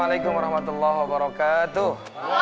waalaikumsalam warahmatullahi wabarakatuh